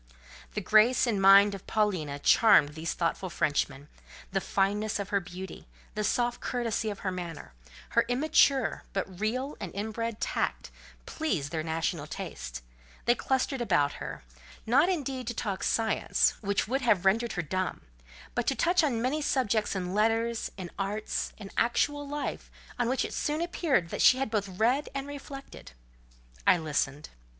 The grace and mind of Paulina charmed these thoughtful Frenchmen: the fineness of her beauty, the soft courtesy of her manner, her immature, but real and inbred tact, pleased their national taste; they clustered about her, not indeed to talk science; which would have rendered her dumb, but to touch on many subjects in letters, in arts, in actual life, on which it soon appeared that she had both read and reflected. I listened.